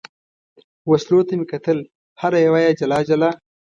وسلو ته مې کتل، هره یوه یې جلا جلا.